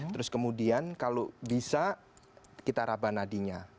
terus kemudian kalau bisa kita raba nadinya